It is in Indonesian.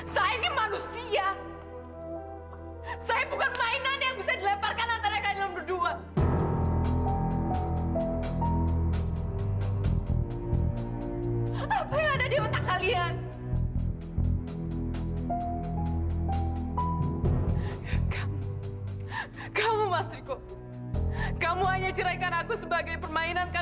sampai jumpa di video selanjutnya